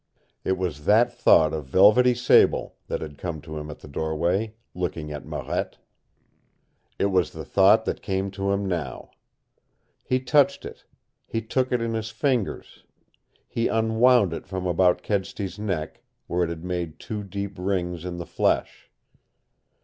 It was that thought of velvety sable that had come to him at the doorway, looking at Marette. It was the thought that came to him now. He touched it; he took it in his fingers; he unwound it from about Kedsty's neck, where it had made two deep rings in the flesh.